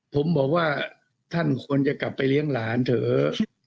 ผมบอกว่าท่านควรจะกลับไปเลี้ยงหลานเถอะ